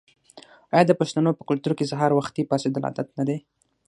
آیا د پښتنو په کلتور کې سهار وختي پاڅیدل عادت نه دی؟